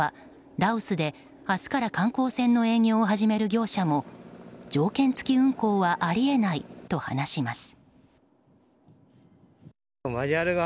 羅臼で明日から観光船の営業を始める業者も条件付き運航はあり得ないと話します。